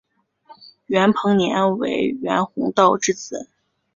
袁彭年为袁宏道之子。